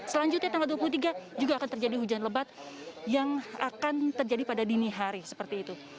selanjutnya tanggal dua puluh tiga juga akan terjadi hujan lebat yang akan terjadi pada dini hari seperti itu